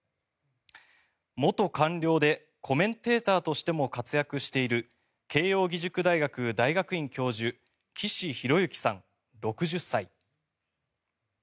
元官僚でコメンテーターとしても活躍している慶應義塾大学大学院教授岸博幸さん、６０歳。